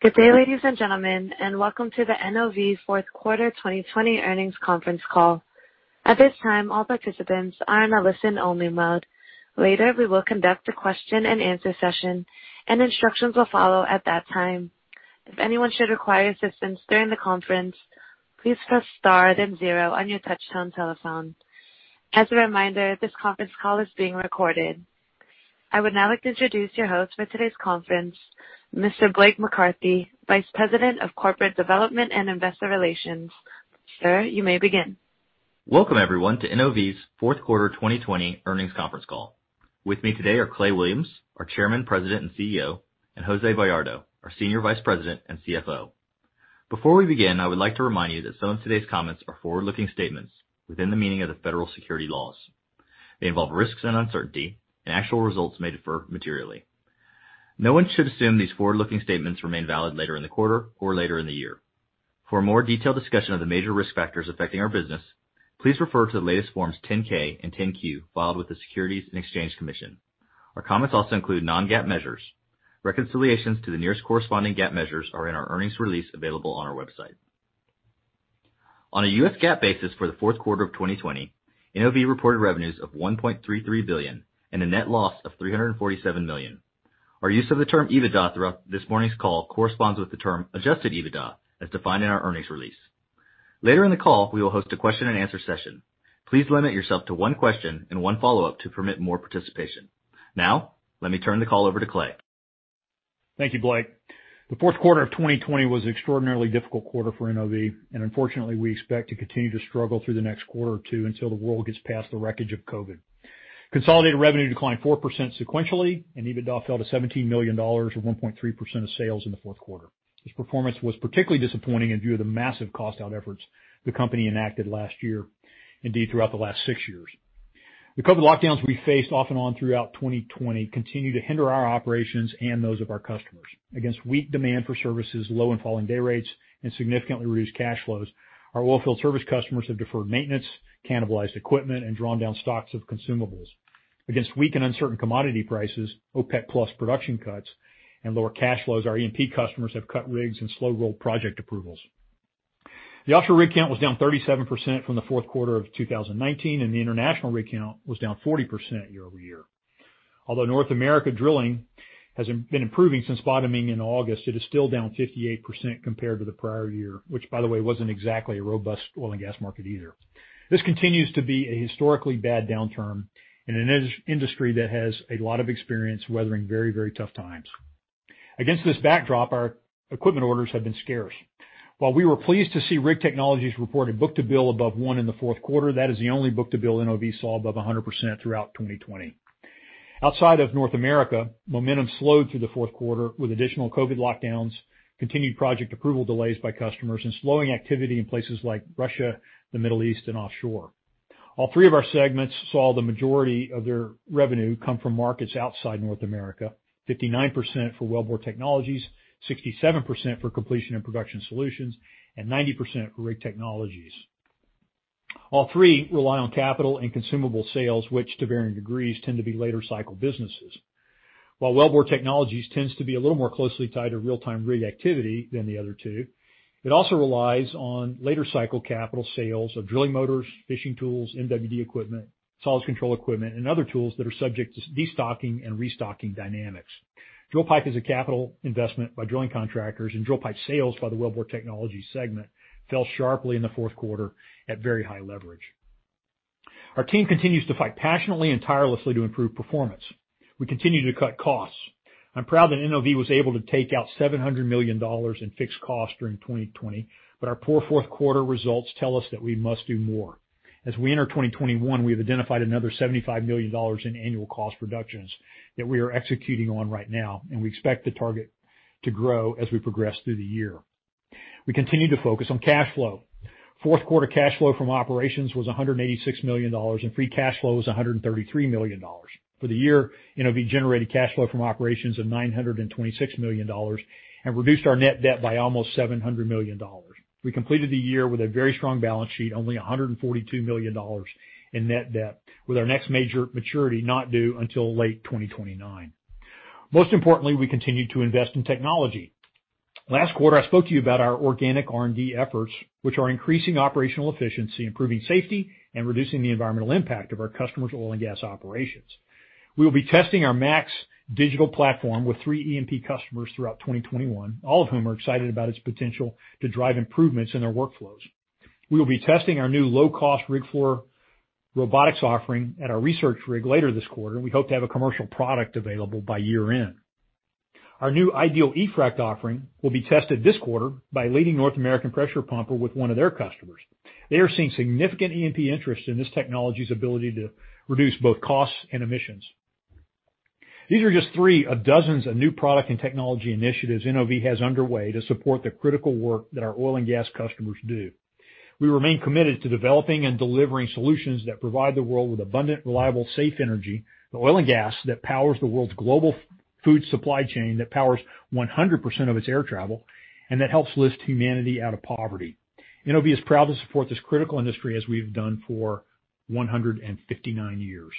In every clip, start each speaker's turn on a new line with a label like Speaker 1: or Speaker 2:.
Speaker 1: Good day, ladies and gentlemen, welcome to the NOV fourth quarter 2020 earnings conference call. At this time, all participants are in a listen-only mode. Later, we will conduct a question and answer session, instructions will follow at that time. If anyone should require assistance during the conference, please press star then zero on your touchtone telephone. As a reminder, this conference call is being recorded. I would now like to introduce your host for today's conference, Mr. Blake McCarthy, Vice President of Corporate Development and Investor Relations. Sir, you may begin.
Speaker 2: Welcome everyone to NOV's fourth quarter 2020 earnings conference call. With me today are Clay Williams, our Chairman, President, and CEO, and Jose Bayardo, our Senior Vice President and CFO. Before we begin, I would like to remind you that some of today's comments are forward-looking statements within the meaning of the federal securities laws. They involve risks and uncertainty, actual results may differ materially. No one should assume these forward-looking statements remain valid later in the quarter or later in the year. For a more detailed discussion of the major risk factors affecting our business, please refer to the latest Forms 10-K and 10-Q filed with the Securities and Exchange Commission. Our comments also include non-GAAP measures. Reconciliations to the nearest corresponding GAAP measures are in our earnings release available on our website. On a U.S. GAAP basis for the fourth quarter of 2020, NOV reported revenues of $1.33 billion and a net loss of $347 million. Our use of the term EBITDA throughout this morning's call corresponds with the term adjusted EBITDA as defined in our earnings release. Later in the call, we will host a question and answer session. Please limit yourself to one question and one follow-up to permit more participation. Now, let me turn the call over to Clay.
Speaker 3: Thank you, Blake. The fourth quarter of 2020 was an extraordinarily difficult quarter for NOV, unfortunately, we expect to continue to struggle through the next quarter or two until the world gets past the wreckage of COVID. Consolidated revenue declined 4% sequentially, EBITDA fell to $17 million, or 1.3% of sales in the fourth quarter. This performance was particularly disappointing in view of the massive cost-out efforts the company enacted last year, indeed, throughout the last six years. The COVID lockdowns we faced off and on throughout 2020 continue to hinder our operations and those of our customers. Against weak demand for services, low and falling day rates, and significantly reduced cash flows, our oilfield service customers have deferred maintenance, cannibalized equipment, and drawn down stocks of consumables. Against weak and uncertain commodity prices, OPEC+ production cuts, and lower cash flows, our E&P customers have cut rigs and slow-rolled project approvals. The offshore rig count was down 37% from the fourth quarter of 2019, and the international rig count was down 40% year-over-year. Although North America drilling has been improving since bottoming in August, it is still down 58% compared to the prior year, which by the way, wasn't exactly a robust oil and gas market either. This continues to be a historically bad downturn in an industry that has a lot of experience weathering very, very tough times. Against this backdrop, our equipment orders have been scarce. While we were pleased to see Rig Technologies report a book-to-bill above one in the fourth quarter, that is the only book-to-bill NOV saw above 100% throughout 2020. Outside of North America, momentum slowed through the fourth quarter with additional COVID lockdowns, continued project approval delays by customers, and slowing activity in places like Russia, the Middle East, and offshore. All three of our segments saw the majority of their revenue come from markets outside North America, 59% for Wellbore Technologies, 67% for Completion & Production Solutions, and 90% for Rig Technologies. All three rely on capital and consumable sales, which to varying degrees, tend to be later cycle businesses. While Wellbore Technologies tends to be a little more closely tied to real-time rig activity than the other two, it also relies on later cycle capital sales of drilling motors, fishing tools, MWD equipment, solids control equipment, and other tools that are subject to de-stocking and restocking dynamics. Drill pipe is a capital investment by drilling contractors, and drill pipe sales by the Wellbore Technologies segment fell sharply in the fourth quarter at very high leverage. Our team continues to fight passionately and tirelessly to improve performance. We continue to cut costs. I'm proud that NOV was able to take out $700 million in fixed costs during 2020, but our poor fourth quarter results tell us that we must do more. As we enter 2021, we have identified another $75 million in annual cost reductions that we are executing on right now, and we expect the target to grow as we progress through the year. We continue to focus on cash flow. Fourth quarter cash flow from operations was $186 million, and free cash flow was $133 million. For the year, NOV generated cash flow from operations of $926 million and reduced our net debt by almost $700 million. We completed the year with a very strong balance sheet, only $142 million in net debt, with our next major maturity not due until late 2029. Most importantly, we continued to invest in technology. Last quarter, I spoke to you about our organic R&D efforts, which are increasing operational efficiency, improving safety, and reducing the environmental impact of our customers' oil and gas operations. We will be testing our Max digital platform with three E&P customers throughout 2021, all of whom are excited about its potential to drive improvements in their workflows. We will be testing our new low-cost rig floor robotics offering at our research rig later this quarter. We hope to have a commercial product available by year-end. Our new Ideal eFrac offering will be tested this quarter by a leading North American pressure pumper with one of their customers. They are seeing significant E&P interest in this technology's ability to reduce both costs and emissions. These are just three of dozens of new product and technology initiatives NOV has underway to support the critical work that our oil and gas customers do. We remain committed to developing and delivering solutions that provide the world with abundant, reliable, safe energy, the oil and gas that powers the world's global food supply chain, that powers 100% of its air travel, and that helps lift humanity out of poverty. NOV is proud to support this critical industry as we've done for 159 years.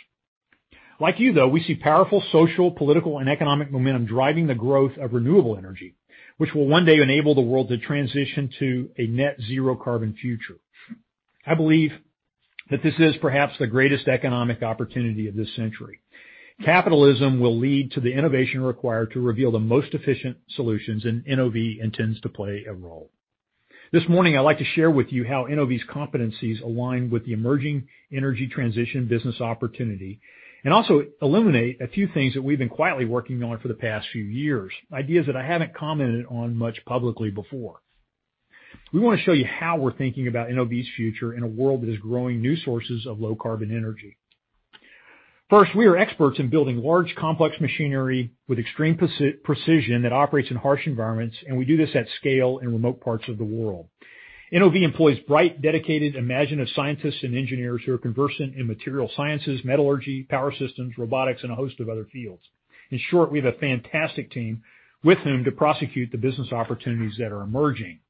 Speaker 3: Like you, though, we see powerful social, political, and economic momentum driving the growth of renewable energy, which will one day enable the world to transition to a net zero carbon future. I believe that this is perhaps the greatest economic opportunity of this century. Capitalism will lead to the innovation required to reveal the most efficient solutions, and NOV intends to play a role. This morning, I'd like to share with you how NOV's competencies align with the emerging energy transition business opportunity, and also illuminate a few things that we've been quietly working on for the past few years, ideas that I haven't commented on much publicly before. We want to show you how we're thinking about NOV's future in a world that is growing new sources of low carbon energy. First, we are experts in building large, complex machinery with extreme precision that operates in harsh environments, and we do this at scale in remote parts of the world. NOV employs bright, dedicated, imaginative scientists and engineers who are conversant in material sciences, metallurgy, power systems, robotics, and a host of other fields. In short, we have a fantastic team with whom to prosecute the business opportunities that are emerging.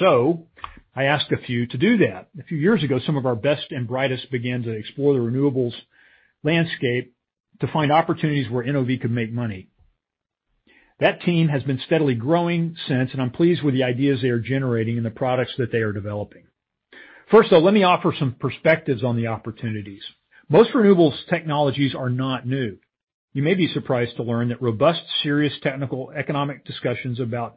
Speaker 3: I asked a few to do that. A few years ago, some of our best and brightest began to explore the renewables landscape to find opportunities where NOV could make money. That team has been steadily growing since, and I'm pleased with the ideas they are generating and the products that they are developing. First, though, let me offer some perspectives on the opportunities. Most renewables technologies are not new. You may be surprised to learn that robust, serious technical economic discussions about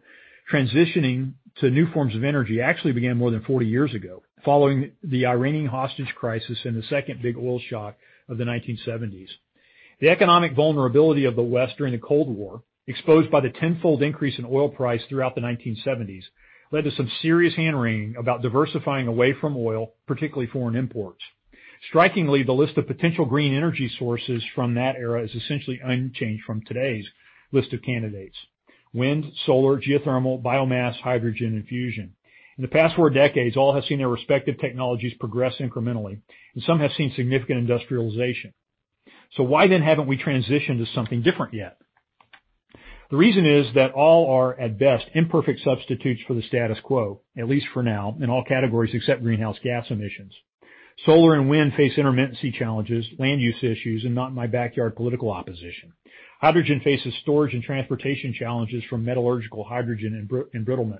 Speaker 3: transitioning to new forms of energy actually began more than 40 years ago, following the Iranian hostage crisis and the second big oil shock of the 1970s. The economic vulnerability of the West during the Cold War, exposed by the tenfold increase in oil price throughout the 1970s, led to some serious hand-wringing about diversifying away from oil, particularly foreign imports. Strikingly, the list of potential green energy sources from that era is essentially unchanged from today's list of candidates. Wind, solar, geothermal, biomass, hydrogen, and fusion. In the past four decades, all have seen their respective technologies progress incrementally, and some have seen significant industrialization. Why then haven't we transitioned to something different yet? The reason is that all are, at best, imperfect substitutes for the status quo, at least for now, in all categories except greenhouse gas emissions. Solar and wind face intermittency challenges, land use issues, and not in my backyard political opposition. Hydrogen faces storage and transportation challenges from metallurgical hydrogen embrittlement.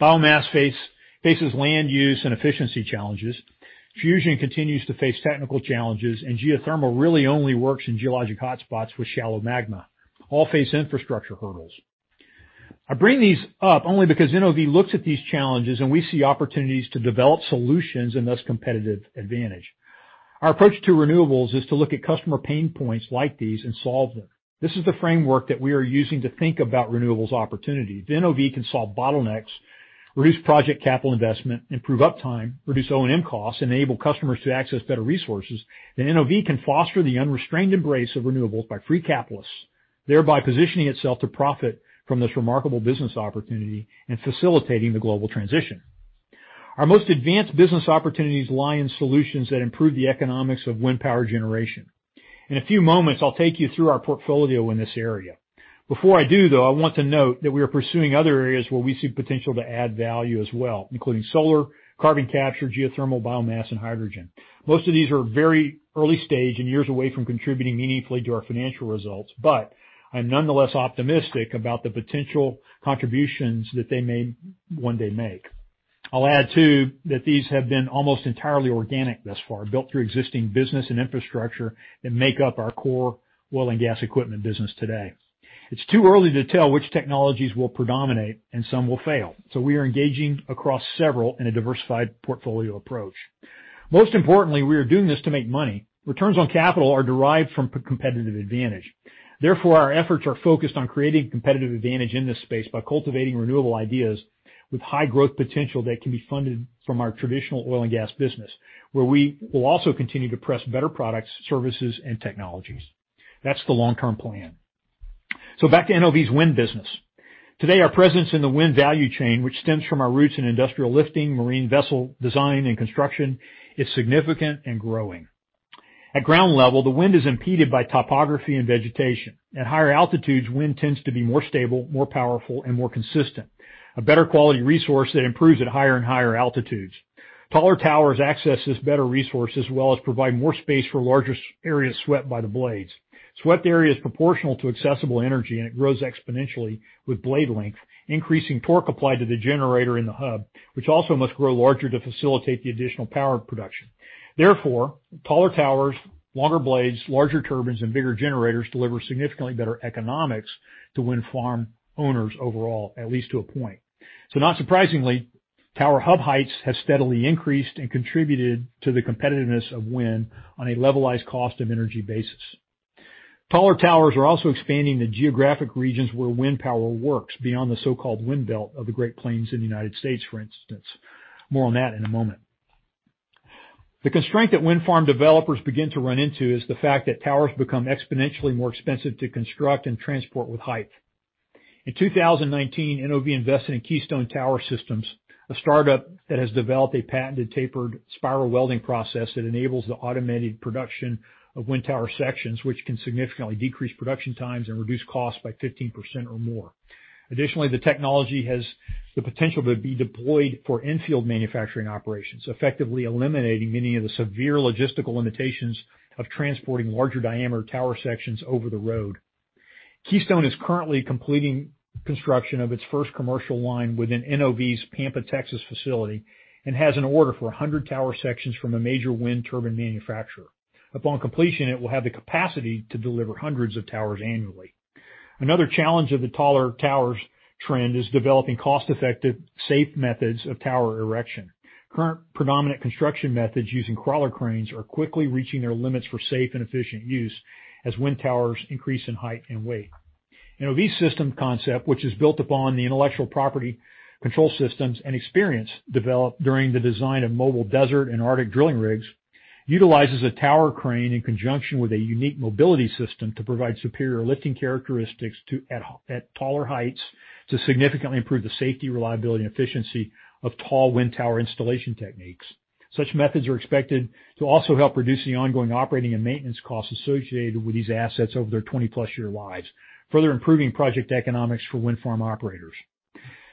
Speaker 3: Biomass faces land use and efficiency challenges. Fusion continues to face technical challenges, and geothermal really only works in geologic hotspots with shallow magma. All face infrastructure hurdles. I bring these up only because NOV looks at these challenges, and we see opportunities to develop solutions and thus competitive advantage. Our approach to renewables is to look at customer pain points like these and solve them. This is the framework that we are using to think about renewables opportunities. If NOV can solve bottlenecks, reduce project capital investment, improve uptime, reduce O&M costs, enable customers to access better resources, NOV can foster the unrestrained embrace of renewables by free capitalists, thereby positioning itself to profit from this remarkable business opportunity and facilitating the global transition. Our most advanced business opportunities lie in solutions that improve the economics of wind power generation. In a few moments, I'll take you through our portfolio in this area. Before I do, though, I want to note that we are pursuing other areas where we see potential to add value as well, including solar, carbon capture, geothermal, biomass, and hydrogen. Most of these are very early stage and years away from contributing meaningfully to our financial results, I'm nonetheless optimistic about the potential contributions that they may one day make. I'll add, too, that these have been almost entirely organic thus far, built through existing business and infrastructure that make up our core oil and gas equipment business today. It's too early to tell which technologies will predominate, some will fail, we are engaging across several in a diversified portfolio approach. Most importantly, we are doing this to make money. Returns on capital are derived from competitive advantage. Our efforts are focused on creating competitive advantage in this space by cultivating renewable ideas with high growth potential that can be funded from our traditional oil and gas business, where we will also continue to press better products, services, and technologies. That's the long-term plan. Back to NOVs wind business. Today, our presence in the wind value chain, which stems from our roots in industrial lifting, marine vessel design, and construction, is significant and growing. At ground level, the wind is impeded by topography and vegetation. At higher altitudes, wind tends to be more stable, more powerful, and more consistent. A better quality resource that improves at higher and higher altitudes. Taller towers access this better resource, as well as provide more space for larger areas swept by the blades. Swept area is proportional to accessible energy, it grows exponentially with blade length, increasing torque applied to the generator in the hub, which also must grow larger to facilitate the additional power production. Taller towers, longer blades, larger turbines, and bigger generators deliver significantly better economics to wind farm owners overall, at least to a point. Not surprisingly, tower hub heights have steadily increased and contributed to the competitiveness of wind on a levelized cost of energy basis. Taller towers are also expanding the geographic regions where wind power works beyond the so-called Wind Belt of the Great Plains in the U.S., for instance. More on that in a moment. The constraint that wind farm developers begin to run into is the fact that towers become exponentially more expensive to construct and transport with height. In 2019, NOV invested in Keystone Tower Systems, a startup that has developed a patented tapered spiral welding process that enables the automated production of wind tower sections, which can significantly decrease production times and reduce costs by 15% or more. Additionally, the technology has the potential to be deployed for in-field manufacturing operations, effectively eliminating many of the severe logistical limitations of transporting larger diameter tower sections over the road. Keystone is currently completing construction of its first commercial line within NOV's Pampa, Texas facility, and has an order for 100 tower sections from a major wind turbine manufacturer. Upon completion, it will have the capacity to deliver hundreds of towers annually. Another challenge of the taller towers trend is developing cost-effective, safe methods of tower erection. Current predominant construction methods using crawler cranes are quickly reaching their limits for safe and efficient use as wind towers increase in height and weight. NOV's system concept, which is built upon the intellectual property control systems and experience developed during the design of mobile desert and Arctic drilling rigs, utilizes a tower crane in conjunction with a unique mobility system to provide superior lifting characteristics at taller heights to significantly improve the safety, reliability, and efficiency of tall wind tower installation techniques. Such methods are expected to also help reduce the ongoing operating and maintenance costs associated with these assets over their 20-plus year lives, further improving project economics for wind farm operators.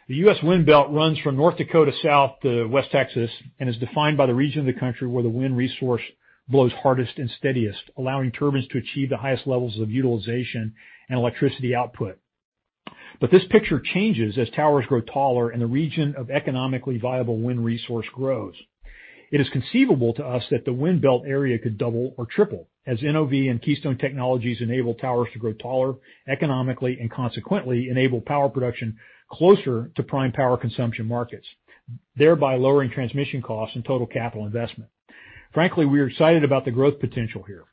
Speaker 3: The U.S. Wind Belt runs from North Dakota south to West Texas and is defined by the region of the country where the wind resource blows hardest and steadiest, allowing turbines to achieve the highest levels of utilization and electricity output. This picture changes as towers grow taller and the region of economically viable wind resource grows. It is conceivable to us that the Wind Belt area could double or triple as NOV and Keystone Tower Systems enable towers to grow taller economically and consequently enable power production closer to prime power consumption markets, thereby lowering transmission costs and total capital investment. Frankly, we are excited about the growth potential here.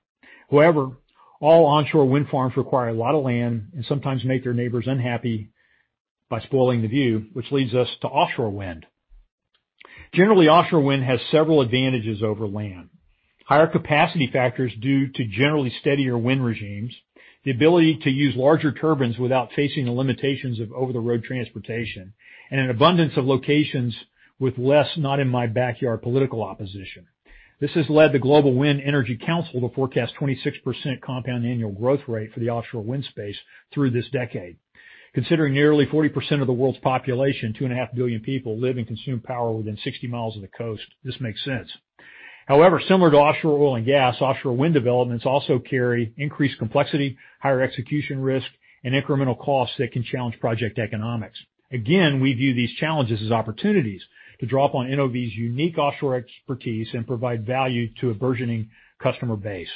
Speaker 3: All onshore wind farms require a lot of land and sometimes make their neighbors unhappy by spoiling the view, which leads us to offshore wind. Generally, offshore wind has several advantages over land. Higher capacity factors due to generally steadier wind regimes, the ability to use larger turbines without facing the limitations of over-the-road transportation, and an abundance of locations with less not-in-my-backyard political opposition. This has led the Global Wind Energy Council to forecast 26% compound annual growth rate for the offshore wind space through this decade. Considering nearly 40% of the world's population, 2.5 billion people, live and consume power within 60 miles of the coast, this makes sense. Similar to offshore oil and gas, offshore wind developments also carry increased complexity, higher execution risk, and incremental costs that can challenge project economics. Again, we view these challenges as opportunities to draw upon NOV's unique offshore expertise and provide value to a burgeoning customer base.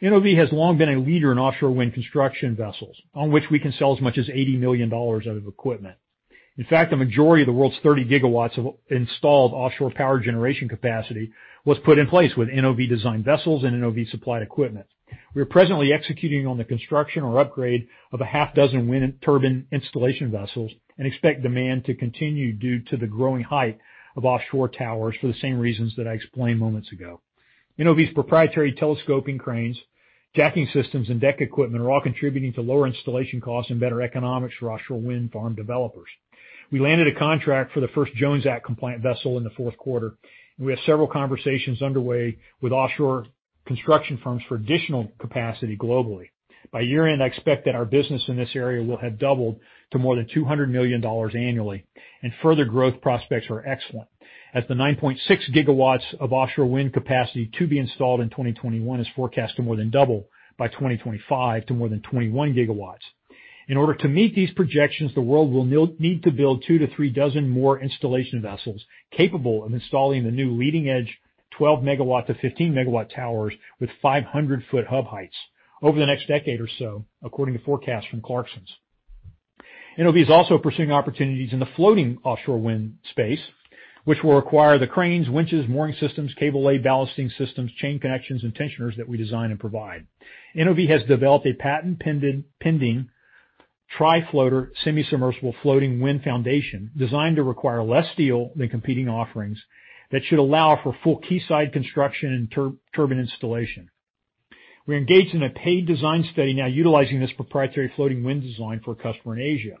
Speaker 3: NOV has long been a leader in offshore wind construction vessels, on which we can sell as much as $80 million of equipment. In fact, the majority of the world's 30 gigawatts of installed offshore power generation capacity was put in place with NOV-designed vessels and NOV-supplied equipment. We are presently executing on the construction or upgrade of a half dozen wind turbine installation vessels and expect demand to continue due to the growing height of offshore towers for the same reasons that I explained moments ago. NOV's proprietary telescoping cranes, jacking systems, and deck equipment are all contributing to lower installation costs and better economics for offshore wind farm developers. We landed a contract for the first Jones Act-compliant vessel in the fourth quarter, and we have several conversations underway with offshore construction firms for additional capacity globally. By year-end, I expect that our business in this area will have doubled to more than $200 million annually, and further growth prospects are excellent, as the 9.6 gigawatts of offshore wind capacity to be installed in 2021 is forecast to more than double by 2025 to more than 21 gigawatts. In order to meet these projections, the world will need to build two to three dozen more installation vessels capable of installing the new leading-edge 12 megawatt-15 megawatt towers with 500-foot hub heights over the next decade or so, according to forecasts from Clarksons. NOV is also pursuing opportunities in the floating offshore wind space, which will require the cranes, winches, mooring systems, cable-laid ballasting systems, chain connections, and tensioners that we design and provide. NOV has developed a patent-pending Tri-Floater semi-submersible floating wind foundation designed to require less steel than competing offerings that should allow for full quayside construction and turbine installation. We're engaged in a paid design study now utilizing this proprietary floating wind design for a customer in Asia.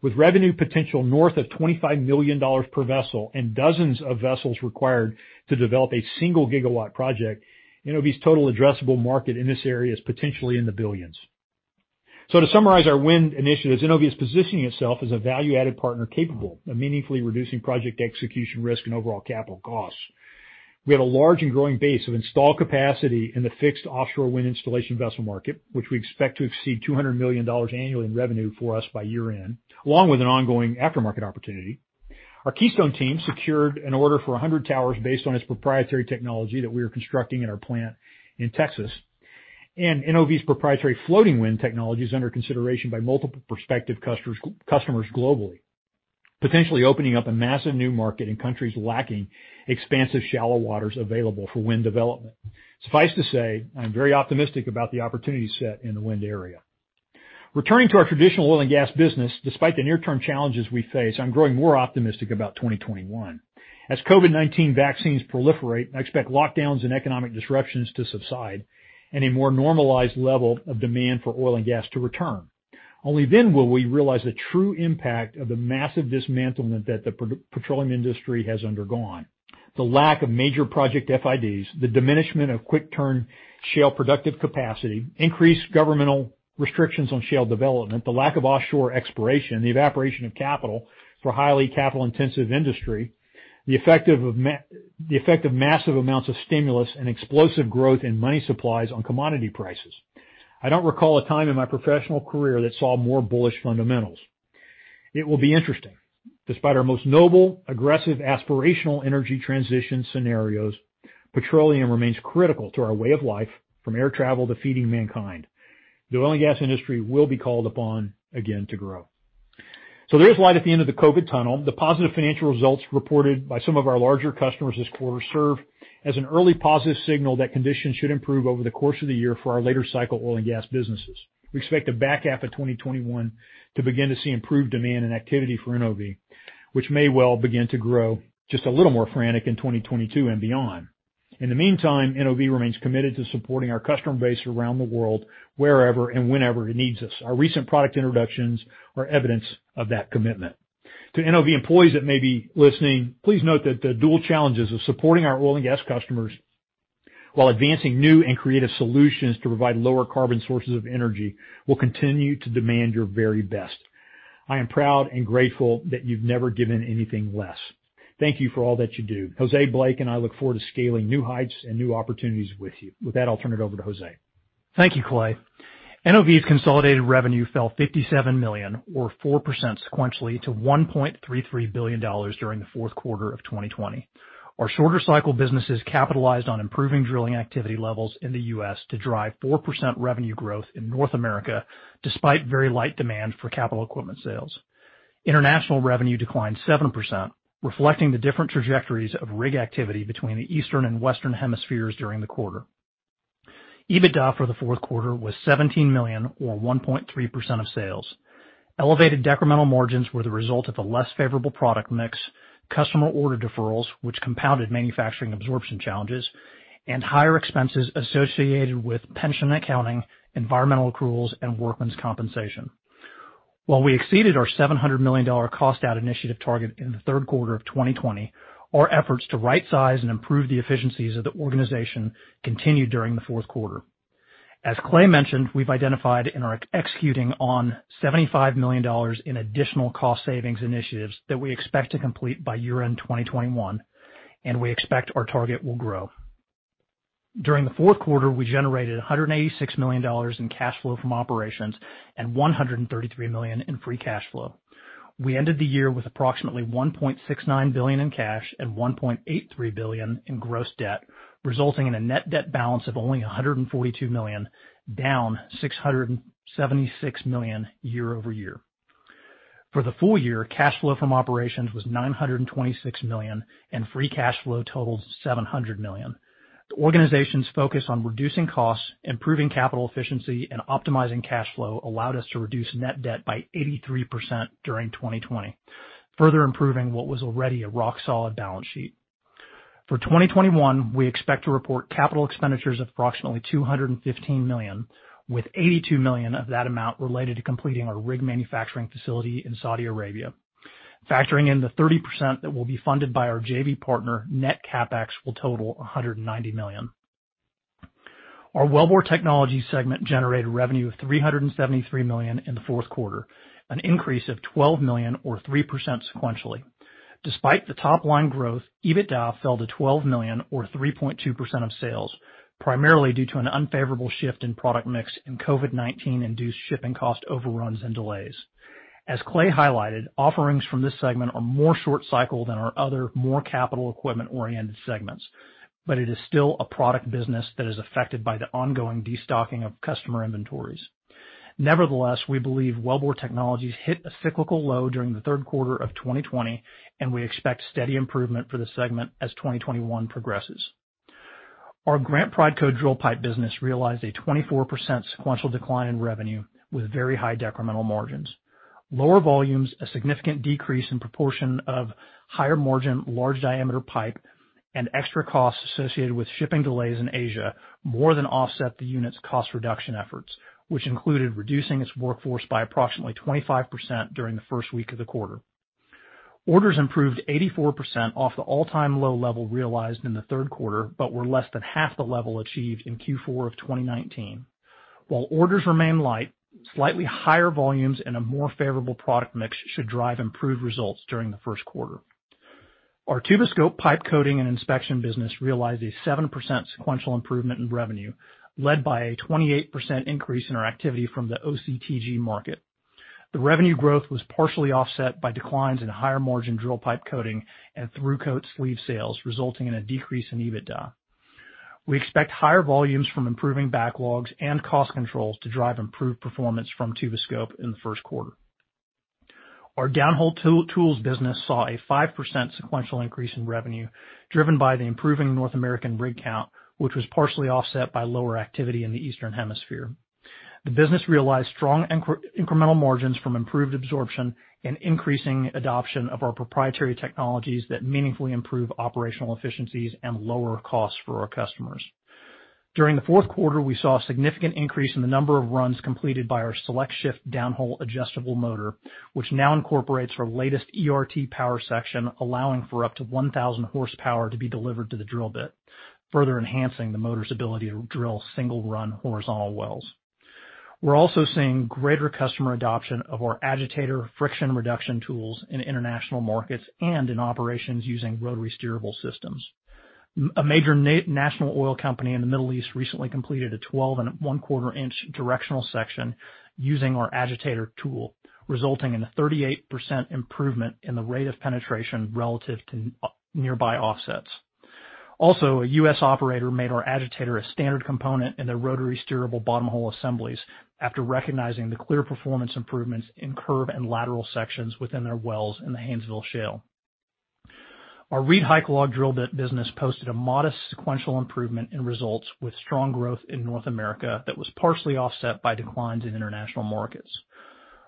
Speaker 3: With revenue potential north of $25 million per vessel and dozens of vessels required to develop a single gigawatt project, NOV's total addressable market in this area is potentially in the billions. To summarize our wind initiatives, NOV is positioning itself as a value-added partner capable of meaningfully reducing project execution risk and overall capital costs. We have a large and growing base of installed capacity in the fixed offshore wind installation vessel market, which we expect to exceed $200 million annually in revenue for us by year-end, along with an ongoing aftermarket opportunity. Our Keystone team secured an order for 100 towers based on its proprietary technology that we are constructing in our plant in Texas. NOV's proprietary floating wind technology is under consideration by multiple prospective customers globally, potentially opening up a massive new market in countries lacking expansive shallow waters available for wind development. Suffice to say, I am very optimistic about the opportunity set in the wind area. Returning to our traditional oil and gas business, despite the near-term challenges we face, I'm growing more optimistic about 2021. As COVID-19 vaccines proliferate, I expect lockdowns and economic disruptions to subside and a more normalized level of demand for oil and gas to return. Only then will we realize the true impact of the massive dismantlement that the petroleum industry has undergone. The lack of major project FIDs, the diminishment of quick-turn shale productive capacity, increased governmental restrictions on shale development, the lack of offshore exploration, the evaporation of capital for a highly capital-intensive industry, the effect of massive amounts of stimulus and explosive growth in money supplies on commodity prices. I don't recall a time in my professional career that saw more bullish fundamentals. It will be interesting. Despite our most noble, aggressive, aspirational energy transition scenarios, petroleum remains critical to our way of life, from air travel to feeding mankind. The oil and gas industry will be called upon again to grow. There is light at the end of the COVID tunnel. The positive financial results reported by some of our larger customers this quarter serve as an early positive signal that conditions should improve over the course of the year for our later cycle oil and gas businesses. We expect the back half of 2021 to begin to see improved demand and activity for NOV, which may well begin to grow just a little more frantic in 2022 and beyond. In the meantime, NOV remains committed to supporting our customer base around the world, wherever and whenever it needs us. Our recent product introductions are evidence of that commitment. To NOV employees that may be listening, please note that the dual challenges of supporting our oil and gas customers while advancing new and creative solutions to provide lower carbon sources of energy will continue to demand your very best. I am proud and grateful that you've never given anything less. Thank you for all that you do. Jose, Blake, and I look forward to scaling new heights and new opportunities with you. With that, I'll turn it over to Jose.
Speaker 4: Thank you, Clay. NOV's consolidated revenue fell $57 million, or 4% sequentially, to $1.33 billion during the fourth quarter of 2020. Our shorter cycle businesses capitalized on improving drilling activity levels in the U.S. to drive 4% revenue growth in North America, despite very light demand for capital equipment sales. International revenue declined 7%, reflecting the different trajectories of rig activity between the Eastern and Western hemispheres during the quarter. EBITDA for the fourth quarter was $17 million, or 1.3% of sales. Elevated decremental margins were the result of a less favorable product mix, customer order deferrals, which compounded manufacturing absorption challenges, and higher expenses associated with pension accounting, environmental accruals, and workman's compensation. While we exceeded our $700 million cost-out initiative target in the third quarter of 2020, our efforts to right-size and improve the efficiencies of the organization continued during the fourth quarter. As Clay mentioned, we've identified and are executing on $75 million in additional cost savings initiatives that we expect to complete by year-end 2021, and we expect our target will grow. During the fourth quarter, we generated $186 million in cash flow from operations and $133 million in free cash flow. We ended the year with approximately $1.69 billion in cash and $1.83 billion in gross debt, resulting in a net debt balance of only $142 million, down $676 million year-over-year. For the full year, cash flow from operations was $926 million, and free cash flow totaled $700 million. The organization's focus on reducing costs, improving capital efficiency, and optimizing cash flow allowed us to reduce net debt by 83% during 2020, further improving what was already a rock-solid balance sheet. For 2021, we expect to report capital expenditures of approximately $215 million, with $82 million of that amount related to completing our rig manufacturing facility in Saudi Arabia. Factoring in the 30% that will be funded by our JV partner, net CapEx will total $190 million. Our Wellbore Technologies segment generated revenue of $373 million in the fourth quarter, an increase of $12 million or 3% sequentially. Despite the top-line growth, EBITDA fell to $12 million or 3.2% of sales, primarily due to an unfavorable shift in product mix and COVID-19-induced shipping cost overruns and delays. As Clay highlighted, offerings from this segment are more short-cycle than our other more capital equipment-oriented segments, but it is still a product business that is affected by the ongoing destocking of customer inventories. Nevertheless, we believe Wellbore Technologies hit a cyclical low during the third quarter of 2020, and we expect steady improvement for the segment as 2021 progresses. Our Grant Prideco drill pipe business realized a 24% sequential decline in revenue with very high decremental margins. Lower volumes, a significant decrease in proportion of higher margin, large diameter pipe, and extra costs associated with shipping delays in Asia more than offset the unit's cost reduction efforts, which included reducing its workforce by approximately 25% during the first week of the quarter. Orders improved 84% off the all-time low level realized in the third quarter but were less than half the level achieved in Q4 of 2019. While orders remain light, slightly higher volumes and a more favorable product mix should drive improved results during the first quarter. Our Tuboscope pipe coating and inspection business realized a 7% sequential improvement in revenue, led by a 28% increase in our activity from the OCTG market. The revenue growth was partially offset by declines in higher margin drill pipe coating and Thru-Kote sleeve sales, resulting in a decrease in EBITDA. We expect higher volumes from improving backlogs and cost controls to drive improved performance from Tuboscope in the first quarter. Our downhole tools business saw a 5% sequential increase in revenue, driven by the improving North American rig count, which was partially offset by lower activity in the Eastern Hemisphere. The business realized strong incremental margins from improved absorption and increasing adoption of our proprietary technologies that meaningfully improve operational efficiencies and lower costs for our customers. During the fourth quarter, we saw a significant increase in the number of runs completed by our SelectShift downhole adjustable motor, which now incorporates our latest ERT power section, allowing for up to 1,000 horsepower to be delivered to the drill bit, further enhancing the motor's ability to drill single-run horizontal wells. We are also seeing greater customer adoption of our Agitator friction reduction tools in international markets and in operations using rotary steerable systems. A major national oil company in the Middle East recently completed a 12 and one-quarter inch directional section using our Agitator tool, resulting in a 38% improvement in the rate of penetration relative to nearby offsets. Also, a U.S. operator made our Agitator a standard component in their rotary steerable bottom hole assemblies after recognizing the clear performance improvements in curve and lateral sections within their wells in the Haynesville Shale. The ReedHycalog drill bit business posted a modest sequential improvement in results with strong growth in North America that was partially offset by declines in international markets.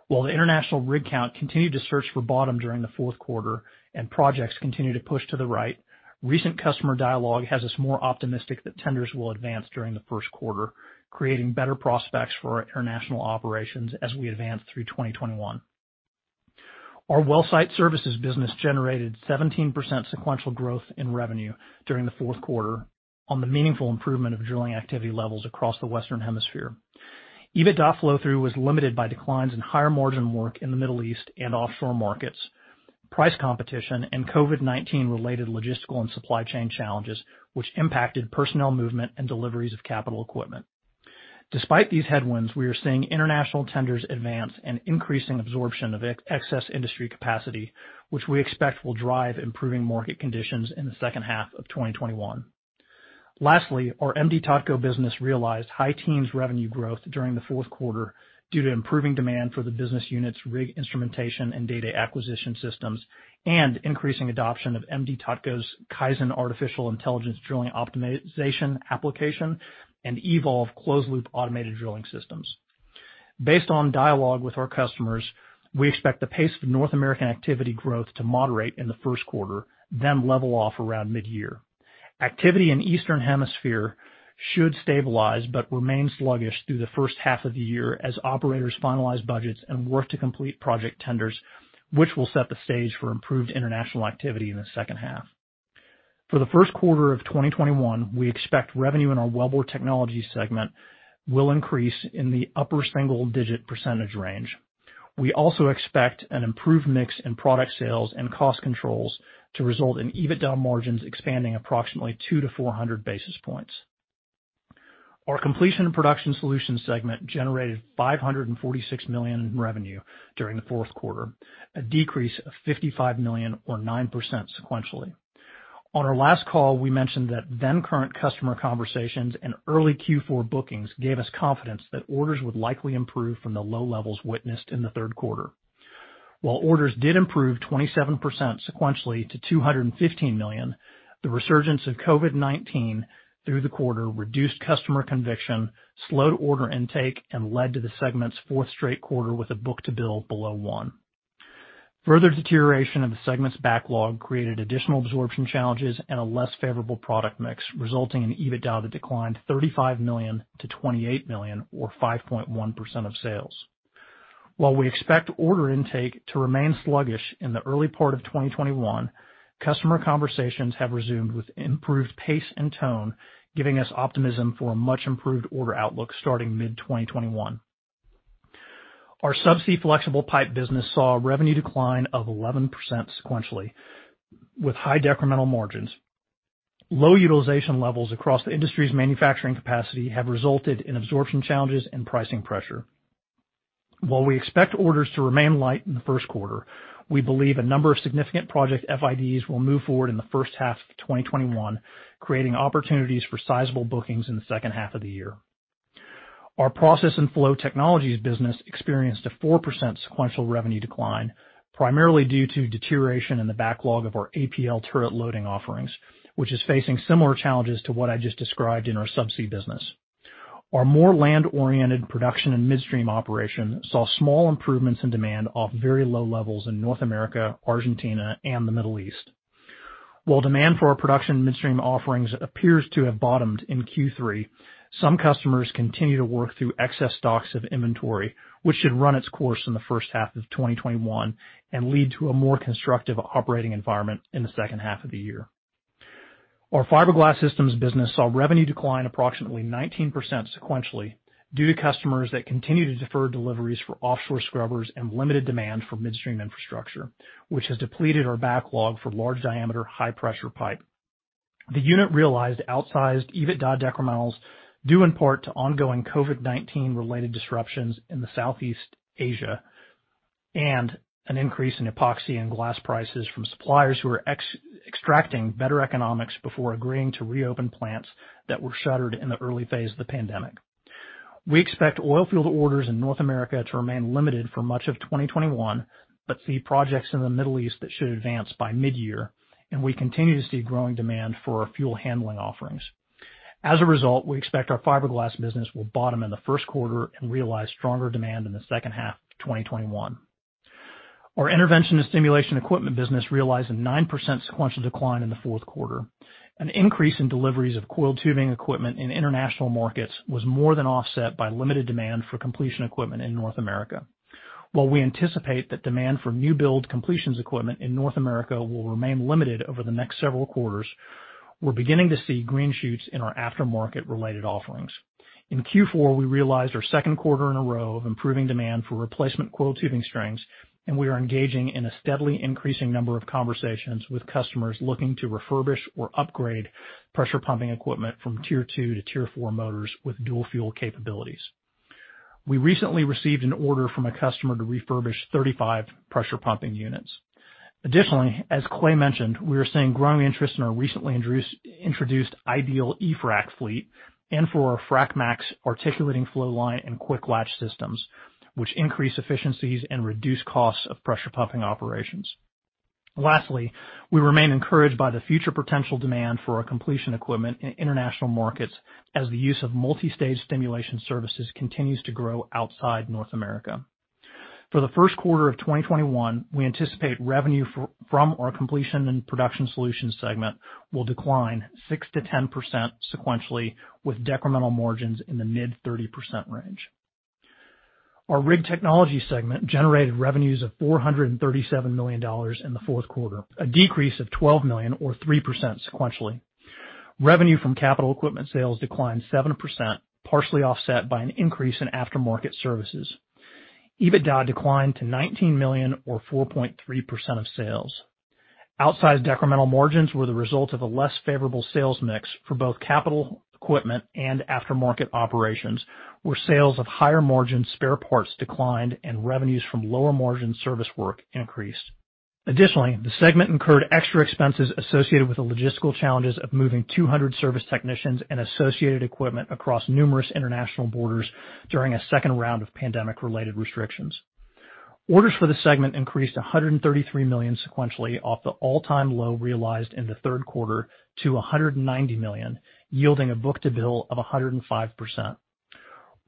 Speaker 4: The international rig count continued to search for bottom during the fourth quarter and projects continue to push to the right, recent customer dialogue has us more optimistic that tenders will advance during the first quarter, creating better prospects for our international operations as we advance through 2021. Our Wellsite Services business generated 17% sequential growth in revenue during the fourth quarter on the meaningful improvement of drilling activity levels across the Western Hemisphere. EBITDA flow-through was limited by declines in higher-margin work in the Middle East and offshore markets, price competition, and COVID-19-related logistical and supply chain challenges, which impacted personnel movement and deliveries of capital equipment. Despite these headwinds, we are seeing international tenders advance and increasing absorption of excess industry capacity, which we expect will drive improving market conditions in the second half of 2021. Lastly, our M/D Totco business realized high teens revenue growth during the fourth quarter due to improving demand for the business unit's rig instrumentation and data acquisition systems, and increasing adoption of M/D Totco's KAIZEN artificial intelligence drilling optimization application and eVolve closed-loop automated drilling systems. Based on dialogue with our customers, we expect the pace of North American activity growth to moderate in the first quarter, then level off around mid-year. Activity in Eastern Hemisphere should stabilize but remain sluggish through the first half of the year as operators finalize budgets and work to complete project tenders, which will set the stage for improved international activity in the second half. For the first quarter of 2021, we expect revenue in our Wellbore Technologies segment will increase in the upper single-digit percentage range. We also expect an improved mix in product sales and cost controls to result in EBITDA margins expanding approximately two to 400 basis points. Our Completion & Production Solutions segment generated $546 million in revenue during the fourth quarter, a decrease of $55 million or 9% sequentially. On our last call, we mentioned that then-current customer conversations and early Q4 bookings gave us confidence that orders would likely improve from the low levels witnessed in the third quarter. Orders did improve 27% sequentially to $215 million, the resurgence of COVID-19 through the quarter reduced customer conviction, slowed order intake, and led to the segment's fourth straight quarter with a book-to-bill below one. Further deterioration of the segment's backlog created additional absorption challenges and a less favorable product mix, resulting in EBITDA that declined $35 million to $28 million, or 5.1% of sales. While we expect order intake to remain sluggish in the early part of 2021, customer conversations have resumed with improved pace and tone, giving us optimism for a much-improved order outlook starting mid-2021. Our subsea flexible pipe business saw a revenue decline of 11% sequentially with high decremental margins. Low utilization levels across the industry's manufacturing capacity have resulted in absorption challenges and pricing pressure. While we expect orders to remain light in the first quarter, we believe a number of significant project FIDs will move forward in the first half of 2021, creating opportunities for sizable bookings in the second half of the year. Our process and flow technologies business experienced a 4% sequential revenue decline, primarily due to deterioration in the backlog of our APL turret loading offerings, which is facing similar challenges to what I just described in our subsea business. Our more land-oriented production and midstream operation saw small improvements in demand off very low levels in North America, Argentina, and the Middle East. While demand for our production midstream offerings appears to have bottomed in Q3, some customers continue to work through excess stocks of inventory, which should run its course in the first half of 2021 and lead to a more constructive operating environment in the second half of the year. Our fiberglass systems business saw revenue decline approximately 19% sequentially due to customers that continue to defer deliveries for offshore scrubbers and limited demand for midstream infrastructure, which has depleted our backlog for large-diameter, high-pressure pipe. The unit realized outsized EBITDA decrementals due in part to ongoing COVID-19-related disruptions in the Southeast Asia and an increase in epoxy and glass prices from suppliers who are extracting better economics before agreeing to reopen plants that were shuttered in the early phase of the pandemic. We expect oil field orders in North America to remain limited for much of 2021, but see projects in the Middle East that should advance by mid-year, and we continue to see growing demand for our fuel handling offerings. As a result, we expect our fiberglass business will bottom in the first quarter and realize stronger demand in the second half of 2021. Our intervention and stimulation equipment business realized a 9% sequential decline in the fourth quarter. An increase in deliveries of coiled tubing equipment in international markets was more than offset by limited demand for completion equipment in North America. While we anticipate that demand for new build completions equipment in North America will remain limited over the next several quarters, we're beginning to see green shoots in our aftermarket related offerings. In Q4, we realized our second quarter in a row of improving demand for replacement coiled tubing strings, and we are engaging in a steadily increasing number of conversations with customers looking to refurbish or upgrade pressure pumping equipment from tier 2 to tier 4 motors with dual fuel capabilities. We recently received an order from a customer to refurbish 35 pressure pumping units. Additionally, as Clay mentioned, we are seeing growing interest in our recently introduced Ideal eFrac fleet and for our FracMaxx articulating flow line and quick latch systems, which increase efficiencies and reduce costs of pressure pumping operations. Lastly, we remain encouraged by the future potential demand for our completion equipment in international markets as the use of multi-stage stimulation services continues to grow outside North America. For the first quarter of 2021, we anticipate revenue from our Completion & Production Solutions segment will decline 6%-10% sequentially, with decremental margins in the mid 30% range. Our Rig Technologies segment generated revenues of $437 million in the fourth quarter, a decrease of $12 million or 3% sequentially. Revenue from capital equipment sales declined 7%, partially offset by an increase in aftermarket services. EBITDA declined to $19 million or 4.3% of sales. Outsized decremental margins were the result of a less favorable sales mix for both capital equipment and aftermarket operations, where sales of higher margin spare parts declined and revenues from lower margin service work increased. Additionally, the segment incurred extra expenses associated with the logistical challenges of moving 200 service technicians and associated equipment across numerous international borders during a second round of pandemic-related restrictions. Orders for the segment increased to $133 million sequentially off the all-time low realized in the third quarter to $190 million, yielding a book-to-bill of 105%.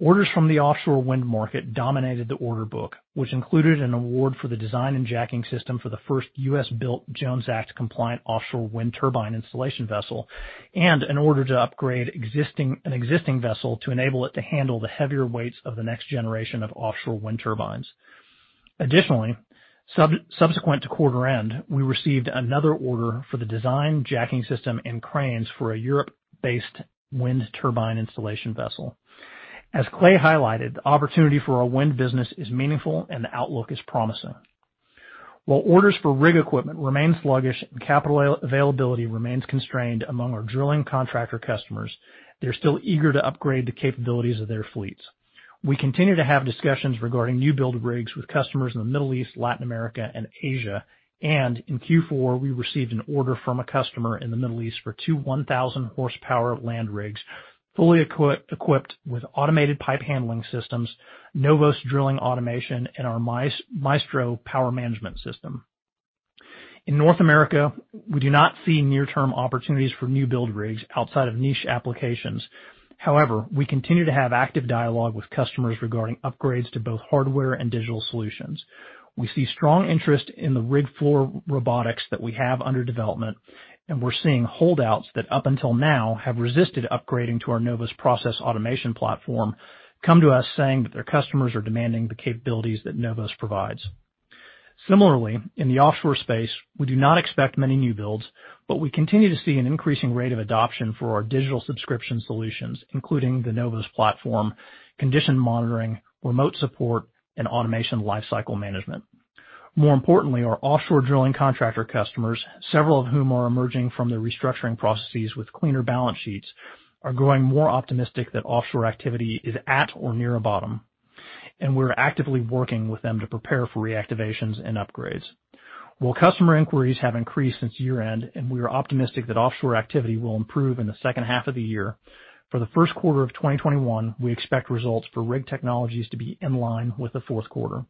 Speaker 4: Orders from the offshore wind market dominated the order book, which included an award for the design and jacking system for the first U.S.-built Jones Act compliant offshore wind turbine installation vessel, and an order to upgrade an existing vessel to enable it to handle the heavier weights of the next generation of offshore wind turbines. Additionally, subsequent to quarter-end, we received another order for the design, jacking system, and cranes for a Europe-based wind turbine installation vessel. As Clay highlighted, the opportunity for our wind business is meaningful and the outlook is promising. While orders for rig equipment remain sluggish and capital availability remains constrained among our drilling contractor customers, they're still eager to upgrade the capabilities of their fleets. We continue to have discussions regarding new build rigs with customers in the Middle East, Latin America, and Asia. In Q4, we received an order from a customer in the Middle East for two 1,000-horsepower land rigs, fully equipped with automated pipe handling systems, NOVOS drilling automation, and our Maestro power management system. In North America, we do not see near-term opportunities for new build rigs outside of niche applications. However, we continue to have active dialogue with customers regarding upgrades to both hardware and digital solutions. We see strong interest in the rig floor robotics that we have under development, we're seeing holdouts that up until now have resisted upgrading to our NOVOS process automation platform, come to us saying that their customers are demanding the capabilities that NOVOS provides. Similarly, in the offshore space, we do not expect many new builds, but we continue to see an increasing rate of adoption for our digital subscription solutions, including the NOVOS platform, condition monitoring, remote support, and automation lifecycle management. More importantly, our offshore drilling contractor customers, several of whom are emerging from their restructuring processes with cleaner balance sheets, are growing more optimistic that offshore activity is at or near a bottom, we're actively working with them to prepare for reactivations and upgrades. While customer inquiries have increased since year-end, we are optimistic that offshore activity will improve in the second half of the year, for the first quarter of 2021, we expect results for Rig Technologies to be in line with the fourth quarter.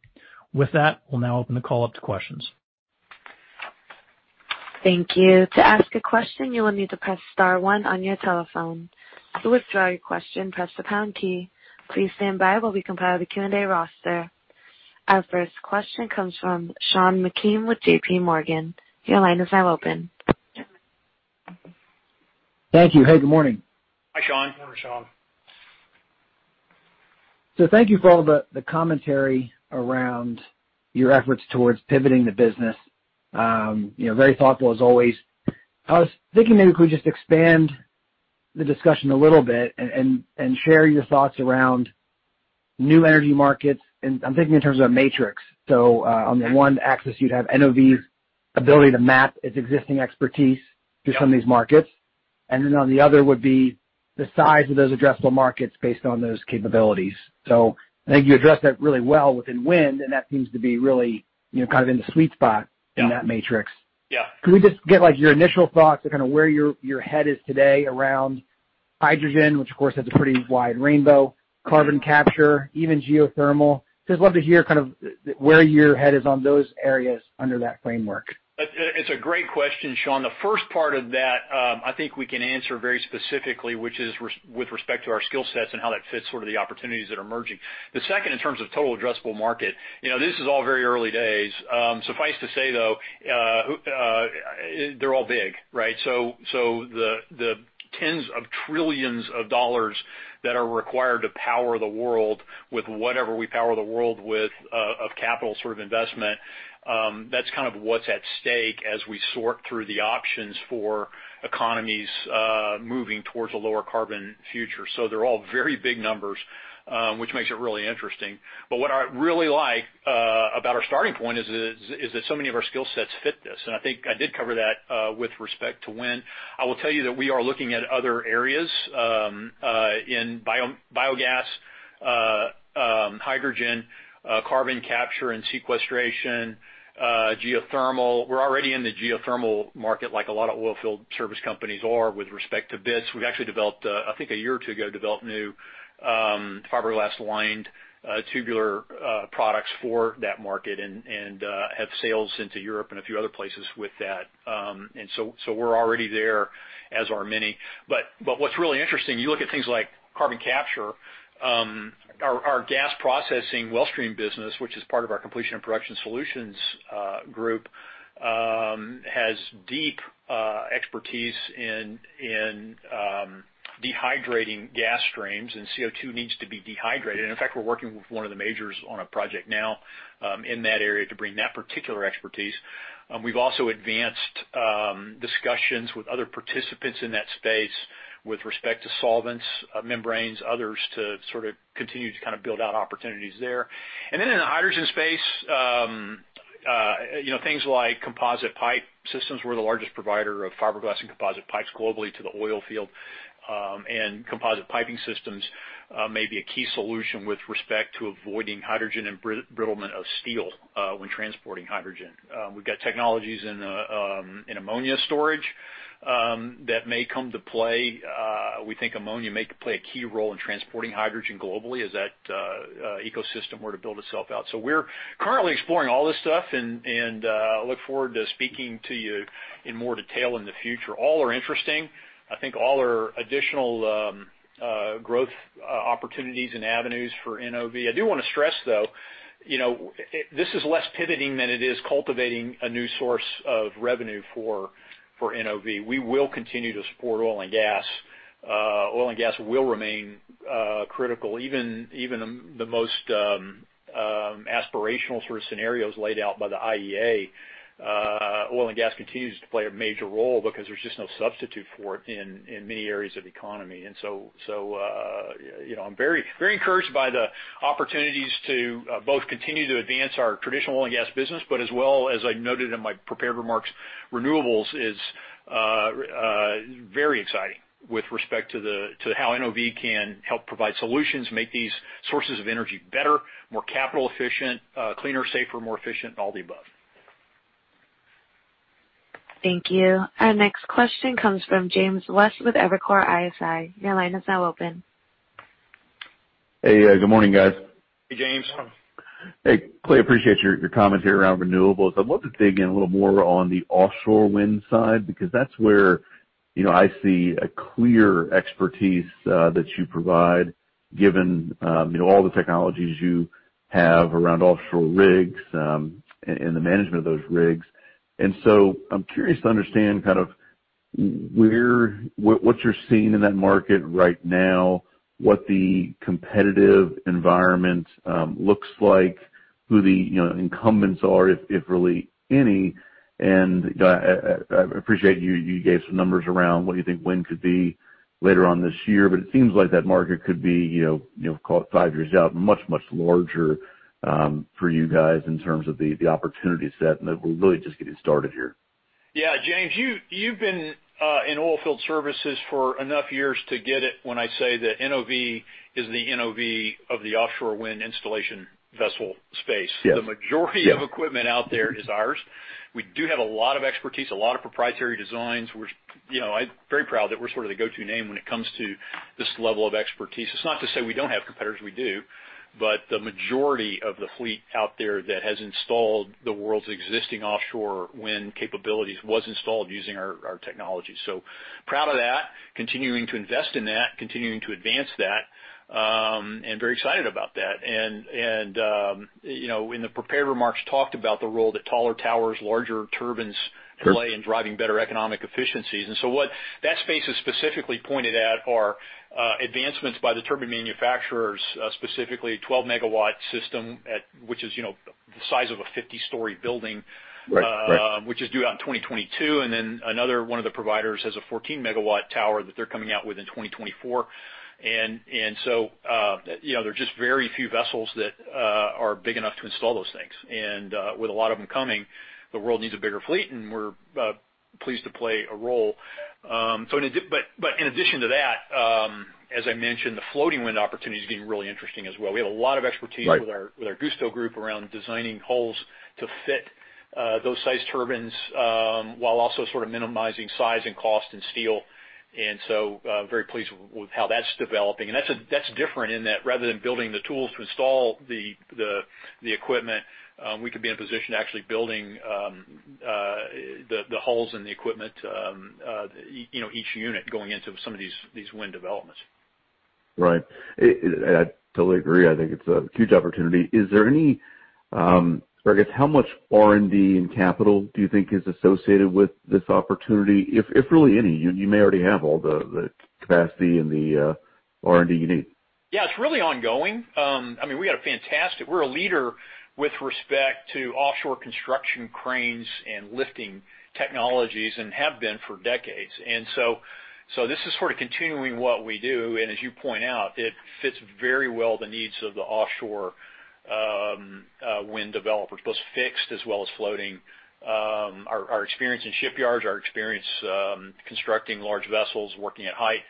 Speaker 4: With that, we'll now open the call up to questions.
Speaker 1: Thank you. To ask a question, you will need to press *1 on your telephone. To withdraw your question, press the # key. Please stand by while we compile the Q&A roster. Our first question comes from Sean Meakim with JPMorgan. Your line is now open.
Speaker 5: Thank you. Hey, good morning.
Speaker 4: Hi, Sean. Morning, Sean.
Speaker 5: Thank you for all the commentary around your efforts towards pivoting the business. Very thoughtful as always. I was thinking maybe we could just expand the discussion a little and share your thoughts around new energy markets, and I'm thinking in terms of a matrix. On the one axis, you'd have NOV's ability to map its existing expertise to some of these markets, and on the other would be the size of those addressable markets based on those capabilities. I think you addressed that really well within wind, and that seems to be really kind of in the sweet spot in that matrix.
Speaker 3: Yeah.
Speaker 5: Can we just get your initial thoughts of kind of where your head is today around hydrogen, which of course has a pretty wide rainbow, carbon capture, even geothermal. Just love to hear kind of where your head is on those areas under that framework.
Speaker 4: It's a great question, Sean. The first part of that, I think we can answer very specifically, which is with respect to our skill sets and how that fits sort of the opportunities that are emerging. The second, in terms of total addressable market, this is all very early days. Suffice to say, though, they're all big, right?
Speaker 3: Tens of trillions of dollars that are required to power the world with whatever we power the world with of capital sort of investment. That's kind of what's at stake as we sort through the options for economies moving towards a lower carbon future. They're all very big numbers, which makes it really interesting. What I really like about our starting point is that so many of our skill sets fit this, and I think I did cover that with respect to wind. I will tell you that we are looking at other areas in biogas, hydrogen, carbon capture and sequestration, geothermal. We're already in the geothermal market like a lot of oilfield service companies are with respect to bits. We've actually, I think a year or two ago, developed new fiberglass-lined tubular products for that market and have sales into Europe and a few other places with that. We're already there, as are many. What's really interesting, you look at things like carbon capture. Our gas processing well stream business, which is part of our Completion & Production Solutions group, has deep expertise in dehydrating gas streams, and CO2 needs to be dehydrated. In fact, we're working with one of the majors on a project now in that area to bring that particular expertise. We've also advanced discussions with other participants in that space with respect to solvents, membranes, others to sort of continue to kind of build out opportunities there. In the hydrogen space, things like composite pipe systems. We're the largest provider of fiberglass and composite pipes globally to the oilfield, and composite piping systems may be a key solution with respect to avoiding hydrogen embrittlement of steel when transporting hydrogen. We've got technologies in ammonia storage that may come to play. We think ammonia may play a key role in transporting hydrogen globally as that ecosystem were to build itself out. We're currently exploring all this stuff, and I look forward to speaking to you in more detail in the future. All are interesting. I think all are additional growth opportunities and avenues for NOV. I do want to stress, though, this is less pivoting than it is cultivating a new source of revenue for NOV. We will continue to support oil and gas. Oil and gas will remain critical. Even the most aspirational sort of scenarios laid out by the IEA, oil and gas continues to play a major role because there's just no substitute for it in many areas of the economy. I'm very encouraged by the opportunities to both continue to advance our traditional oil and gas business, but as well as I noted in my prepared remarks, renewables is very exciting with respect to how NOV can help provide solutions, make these sources of energy better, more capital efficient, cleaner, safer, more efficient, and all the above.
Speaker 1: Thank you. Our next question comes from James West with Evercore ISI. Your line is now open.
Speaker 6: Hey. Good morning, guys.
Speaker 3: Hey, James.
Speaker 6: Hey, Clay, appreciate your commentary around renewables. I'd love to dig in a little more on the offshore wind side, because that's where I see a clear expertise that you provide given all the technologies you have around offshore rigs and the management of those rigs. So I'm curious to understand kind of what you're seeing in that market right now, what the competitive environment looks like, who the incumbents are, if really any. I appreciate you gave some numbers around what you think wind could be later on this year, but it seems like that market could be, call it five years out, much, much larger for you guys in terms of the opportunity set, and that we're really just getting started here.
Speaker 3: Yeah. James, you've been in oil field services for enough years to get it when I say that NOV is the NOV of the offshore wind installation vessel space. Yes. The majority of equipment out there is ours. We do have a lot of expertise, a lot of proprietary designs. I'm very proud that we're sort of the go-to name when it comes to this level of expertise. It's not to say we don't have competitors, we do, but the majority of the fleet out there that has installed the world's existing offshore wind capabilities was installed using our technology. Proud of that, continuing to invest in that, continuing to advance that, and very excited about that. In the prepared remarks, talked about the role that taller towers, larger turbines play in driving better economic efficiencies. What that space has specifically pointed at are advancements by the turbine manufacturers, specifically 12-megawatt system, which is the size of a 50-story building-
Speaker 6: Right
Speaker 3: which is due out in 2022. Another one of the providers has a 14-megawatt tower that they're coming out with in 2024. There are just very few vessels that are big enough to install those things. With a lot of them coming, the world needs a bigger fleet, and we're pleased to play a role. In addition to that, as I mentioned, the floating wind opportunity is getting really interesting as well. We have a lot of expertise-
Speaker 6: Right
Speaker 3: with our GustoMSC group around designing hulls to fit those size turbines, while also sort of minimizing size and cost and steel. Very pleased with how that's developing. That's different in that rather than building the tools to install the equipment, we could be in a position to actually building the hulls and the equipment, each unit going into some of these wind developments.
Speaker 6: Right. I totally agree. I think it's a huge opportunity. I guess, how much R&D and capital do you think is associated with this opportunity? If really any, you may already have all the capacity and the R&D you need.
Speaker 3: Yeah, it's really ongoing. We're a leader with respect to offshore construction cranes and lifting technologies and have been for decades. This is sort of continuing what we do, and as you point out, it fits very well the needs of the offshore wind developers, both fixed as well as floating. Our experience in shipyards, our experience constructing large vessels, working at height,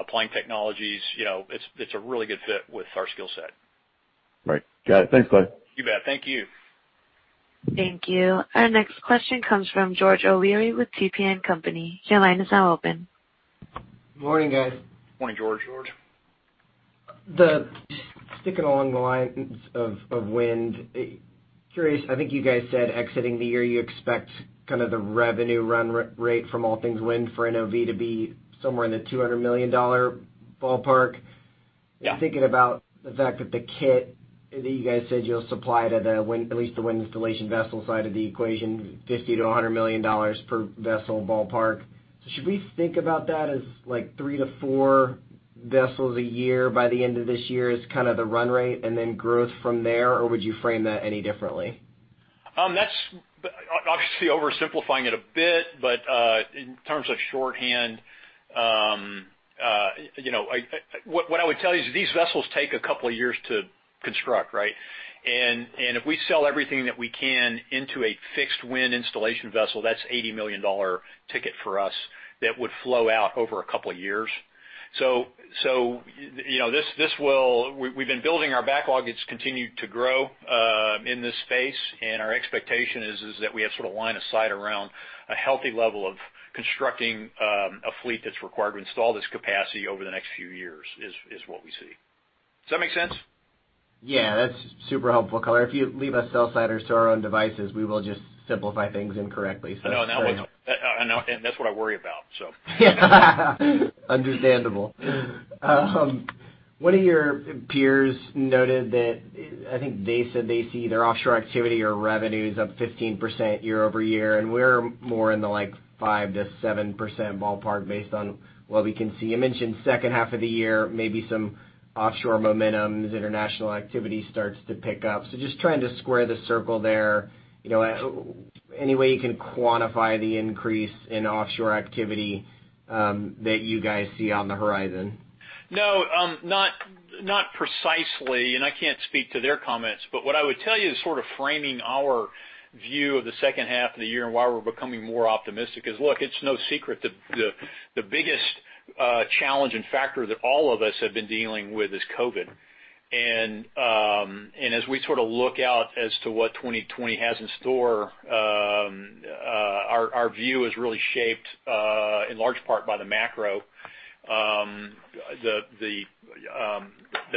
Speaker 3: applying technologies. It's a really good fit with our skill set.
Speaker 6: Right. Got it. Thanks, bud.
Speaker 3: You bet. Thank you.
Speaker 1: Thank you. Our next question comes from George O'Leary with Tudor, Pickering, Holt & Co. Your line is now open.
Speaker 7: Morning, guys.
Speaker 4: Morning, George. George.
Speaker 7: Sticking along the lines of wind. Curious, I think you guys said exiting the year, you expect kind of the revenue run rate from all things wind for NOV to be somewhere in the $200 million ballpark.
Speaker 3: Yeah.
Speaker 7: Thinking about the fact that the kit that you guys said you'll supply to at least the wind installation vessel side of the equation, $50 million-$100 million per vessel ballpark. Should we think about that as like three to four vessels a year by the end of this year as kind of the run rate and then growth from there, or would you frame that any differently?
Speaker 3: That's obviously oversimplifying it a bit. In terms of shorthand, what I would tell you is these vessels take a couple of years to construct, right? If we sell everything that we can into a fixed wind installation vessel, that's $80 million ticket for us that would flow out over a couple of years. We've been building our backlog. It's continued to grow in this space. Our expectation is that we have sort of line of sight around a healthy level of constructing a fleet that's required to install this capacity over the next few years, is what we see. Does that make sense?
Speaker 7: Yeah, that's super helpful color. If you leave us sell-siders to our own devices, we will just simplify things incorrectly. That's great.
Speaker 3: I know. That's what I worry about.
Speaker 7: Understandable. One of your peers noted that, I think they said they see their offshore activity or revenues up 15% year-over-year, and we're more in the 5%-7% ballpark based on what we can see. You mentioned second half of the year, maybe some offshore momentum as international activity starts to pick up. Just trying to square the circle there. Any way you can quantify the increase in offshore activity that you guys see on the horizon?
Speaker 3: No, not precisely, and I can't speak to their comments, but what I would tell you is sort of framing our view of the second half of the year and why we're becoming more optimistic is, look, it's no secret the biggest challenge and factor that all of us have been dealing with is COVID. As we sort of look out as to what 2020 has in store, our view is really shaped in large part by the macro. The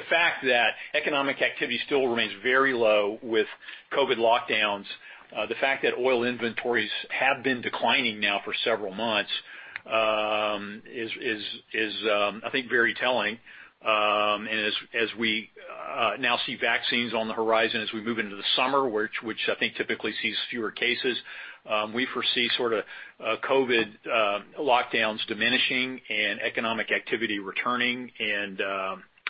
Speaker 3: fact that economic activity still remains very low with COVID lockdowns, the fact that oil inventories have been declining now for several months is, I think, very telling. As we now see vaccines on the horizon as we move into the summer, which I think typically sees fewer cases, we foresee sort of COVID lockdowns diminishing and economic activity returning, and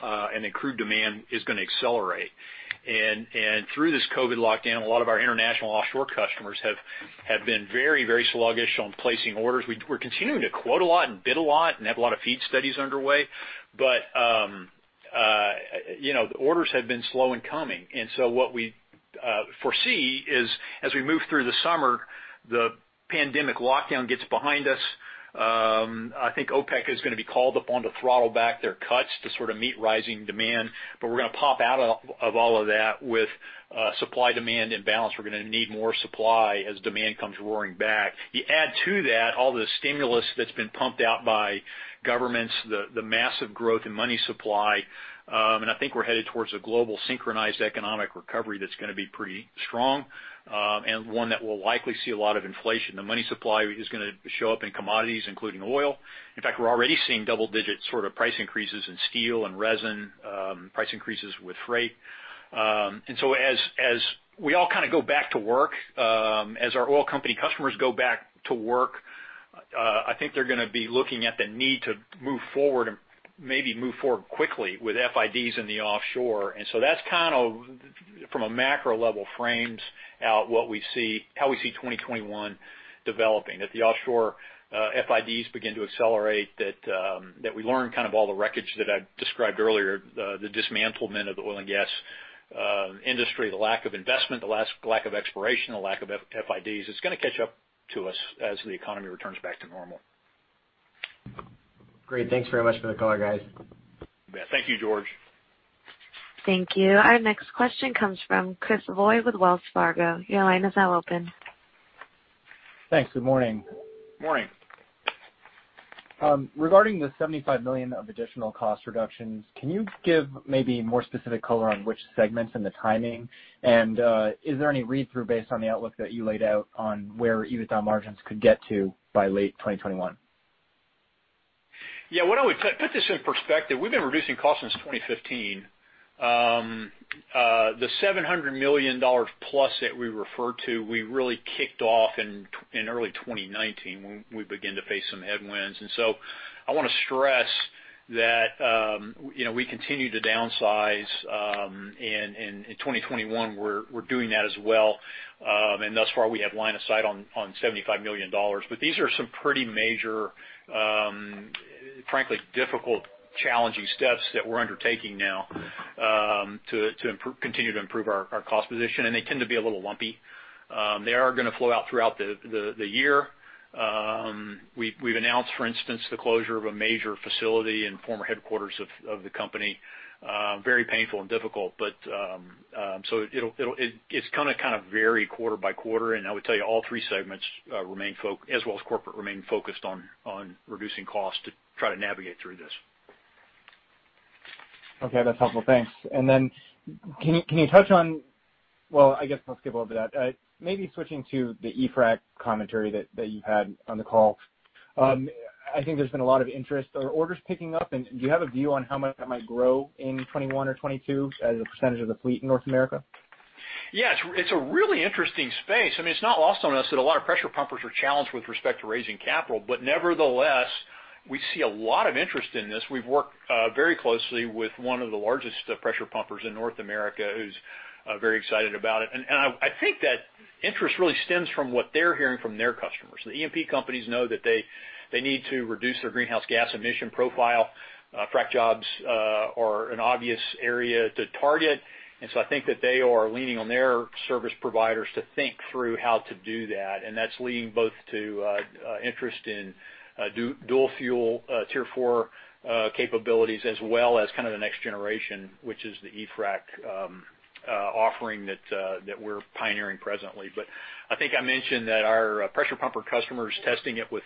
Speaker 3: then crude demand is going to accelerate. Through this COVID lockdown, a lot of our international offshore customers have been very sluggish on placing orders. We're continuing to quote a lot and bid a lot and have a lot of feed studies underway, but the orders have been slow in coming. What we foresee is as we move through the summer, the pandemic lockdown gets behind us. I think OPEC is going to be called upon to throttle back their cuts to sort of meet rising demand. We're going to pop out of all of that with supply-demand imbalance. We're going to need more supply as demand comes roaring back. You add to that all the stimulus that's been pumped out by governments, the massive growth in money supply, and I think we're headed towards a global synchronized economic recovery that's going to be pretty strong, and one that will likely see a lot of inflation. The money supply is going to show up in commodities, including oil. In fact, we're already seeing double-digit sort of price increases in steel and resin, price increases with freight. As we all kind of go back to work, as our oil company customers go back to work, I think they're going to be looking at the need to move forward and maybe move forward quickly with FIDs in the offshore. That kind of, from a macro level, frames out how we see 2021 developing. That the offshore FIDs begin to accelerate, that we learn kind of all the wreckage that I described earlier, the dismantlement of the oil and gas industry, the lack of investment, the lack of exploration, the lack of FIDs. It's going to catch up to us as the economy returns back to normal.
Speaker 7: Great. Thanks very much for the color, guys.
Speaker 3: You bet. Thank you, George.
Speaker 1: Thank you. Our next question comes from Chris Lloyd with Wells Fargo. Your line is now open.
Speaker 8: Thanks. Good morning.
Speaker 3: Morning.
Speaker 8: Regarding the $75 million of additional cost reductions, can you give maybe more specific color on which segments and the timing? Is there any read-through based on the outlook that you laid out on where EBITDA margins could get to by late 2021?
Speaker 3: Yeah. Why don't we put this in perspective? We've been reducing costs since 2015. The $700 million plus that we referred to, we really kicked off in early 2019 when we began to face some headwinds. So I want to stress that we continue to downsize. In 2021, we're doing that as well. Thus far, we have line of sight on $75 million. These are some pretty major, frankly, difficult, challenging steps that we're undertaking now to continue to improve our cost position. They tend to be a little lumpy. They are going to flow out throughout the year. We've announced, for instance, the closure of a major facility and former headquarters of the company. Very painful and difficult. It's going to kind of vary quarter by quarter. I would tell you all three segments, as well as corporate, remain focused on reducing costs to try to navigate through this.
Speaker 8: Okay, that's helpful. Thanks. Well, I guess let's skip over that. Maybe switching to the eFrac commentary that you had on the call. I think there's been a lot of interest. Are orders picking up, and do you have a view on how much that might grow in 2021 or 2022 as a % of the fleet in North America?
Speaker 3: Yeah. It's a really interesting space. It's not lost on us that a lot of pressure pumpers are challenged with respect to raising capital. Nevertheless, we see a lot of interest in this. We've worked very closely with one of the largest pressure pumpers in North America, who's very excited about it. I think that interest really stems from what they're hearing from their customers. The E&P companies know that they need to reduce their greenhouse gas emission profile. Frac jobs are an obvious area to target. I think that they are leaning on their service providers to think through how to do that. That's leading both to interest in dual-fuel Tier 4 capabilities, as well as kind of the next generation, which is the eFrac offering that we're pioneering presently. I think I mentioned that our pressure pumper customer is testing it with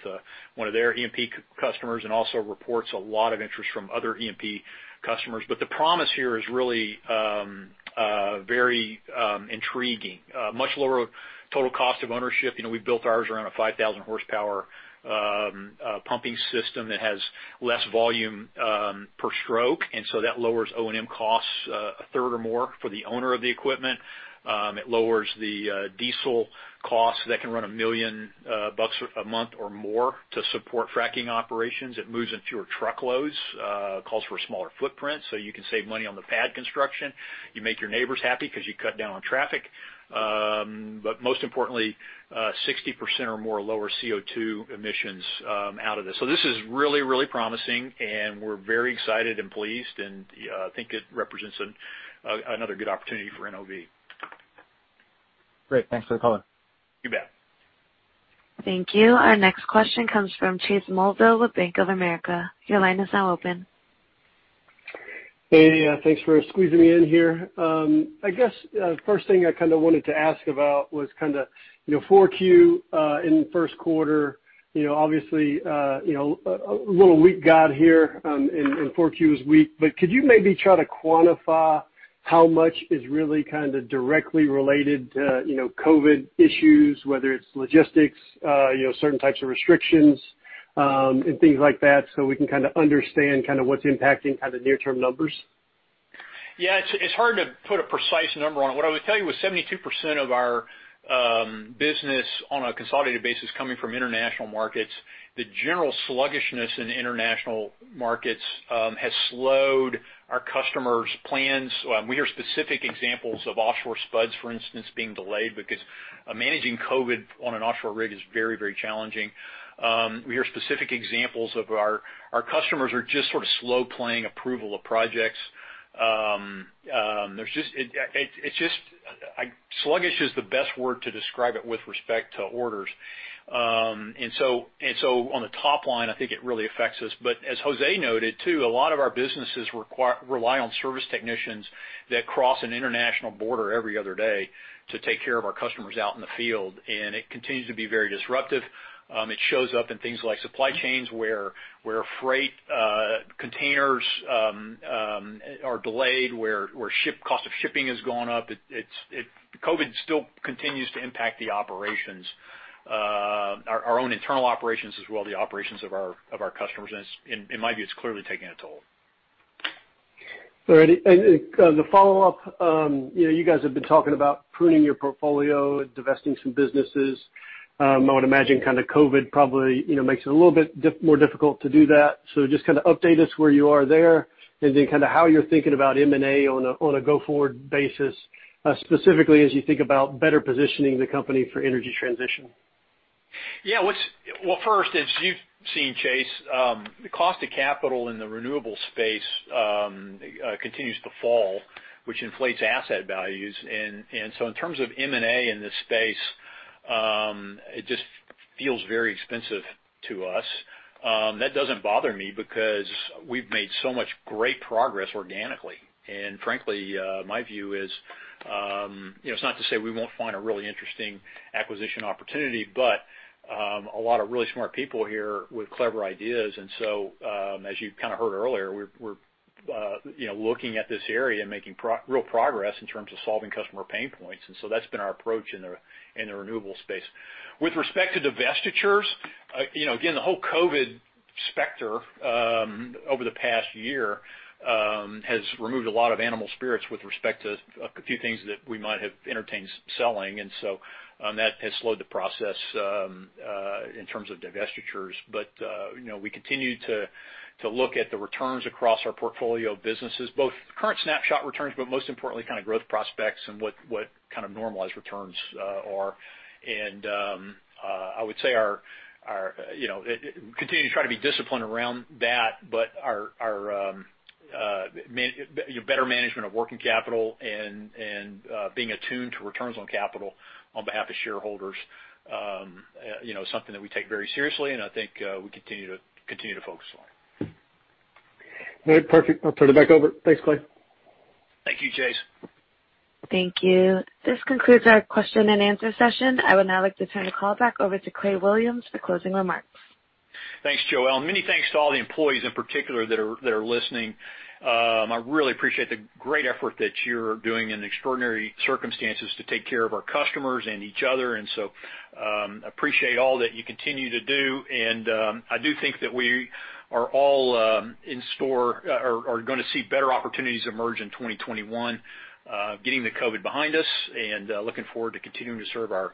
Speaker 3: one of their E&P customers, and also reports a lot of interest from other E&P customers. The promise here is really very intriguing. Much lower total cost of ownership. We've built ours around a 5,000 horsepower pumping system that has less volume per stroke, and so that lowers O&M costs a third or more for the owner of the equipment. It lowers the diesel costs. That can run $1 million a month or more to support fracking operations. It moves in fewer truckloads, calls for a smaller footprint, so you can save money on the pad construction. You make your neighbors happy because you cut down on traffic. Most importantly, 60% or more lower CO2 emissions out of this. This is really promising, and we're very excited and pleased, and I think it represents another good opportunity for NOV.
Speaker 8: Great. Thanks for the color.
Speaker 3: You bet.
Speaker 1: Thank you. Our next question comes from Chase Mulvehill with Bank of America. Your line is now open.
Speaker 9: Hey. Thanks for squeezing me in here. I guess first thing I kind of wanted to ask about was kind of 4Q in the first quarter. Obviously, a little weak guide here, and 4Q was weak. Could you maybe try to quantify how much is really kind of directly related to COVID issues, whether it's logistics, certain types of restrictions, and things like that, so we can kind of understand what's impacting kind of near-term numbers?
Speaker 3: It's hard to put a precise number on it. What I would tell you, with 72% of our business on a consolidated basis coming from international markets, the general sluggishness in international markets has slowed our customers' plans. We hear specific examples of offshore spuds, for instance, being delayed because managing COVID on an offshore rig is very challenging. We hear specific examples of our customers are just sort of slow-playing approval of projects. Sluggish is the best word to describe it with respect to orders. On the top line, I think it really affects us. As Jose noted, too, a lot of our businesses rely on service technicians that cross an international border every other day to take care of our customers out in the field, and it continues to be very disruptive. It shows up in things like supply chains, where freight containers are delayed, where cost of shipping has gone up. COVID still continues to impact the operations, our own internal operations as well the operations of our customers. In my view, it's clearly taking a toll.
Speaker 9: All right. The follow-up, you guys have been talking about pruning your portfolio, divesting some businesses. I would imagine kind of COVID probably makes it a little bit more difficult to do that. Just kind of update us where you are there, and then kind of how you're thinking about M&A on a go-forward basis, specifically as you think about better positioning the company for energy transition.
Speaker 3: Yeah. Well, first, as you've seen, Chase, the cost of capital in the renewable space continues to fall, which inflates asset values. In terms of M&A in this space, it just feels very expensive to us. That doesn't bother me because we've made so much great progress organically. Frankly, my view is, it's not to say we won't find a really interesting acquisition opportunity, but a lot of really smart people here with clever ideas. As you kind of heard earlier, we're looking at this area and making real progress in terms of solving customer pain points. That's been our approach in the renewable space. With respect to divestitures, again, the whole COVID specter over the past year has removed a lot of animal spirits with respect to a few things that we might have entertained selling. That has slowed the process in terms of divestitures. We continue to look at the returns across our portfolio of businesses, both current snapshot returns, but most importantly, kind of growth prospects and what kind of normalized returns are. I would say we continue to try to be disciplined around that. Our better management of working capital and being attuned to returns on capital on behalf of shareholders is something that we take very seriously, and I think we continue to focus on.
Speaker 9: Great. Perfect. I'll turn it back over. Thanks, Clay.
Speaker 3: Thank you, Chase.
Speaker 1: Thank you. This concludes our question and answer session. I would now like to turn the call back over to Clay Williams for closing remarks.
Speaker 3: Thanks, Joelle. Many thanks to all the employees in particular that are listening. I really appreciate the great effort that you're doing in extraordinary circumstances to take care of our customers and each other. Appreciate all that you continue to do, and I do think that we are all in store or are going to see better opportunities emerge in 2021, getting the COVID behind us and looking forward to continuing to serve our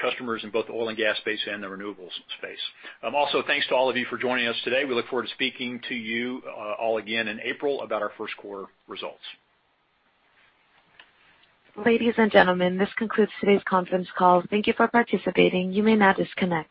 Speaker 3: customers in both the oil and gas space and the renewables space. Thanks to all of you for joining us today. We look forward to speaking to you all again in April about our first quarter results.
Speaker 1: Ladies and gentlemen, this concludes today's conference call. Thank you for participating. You may now disconnect.